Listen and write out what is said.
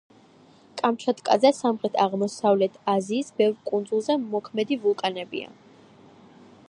კამჩატკაზე, სამხრეთ-აღმოსავლეთ აზიის ბევრ კუნძულზე მოქმედი ვულკანებია.